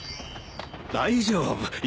大丈夫。